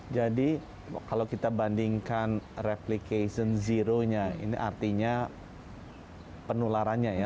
jadi kalau kita bandingkan replication zero nya ini artinya penularannya ya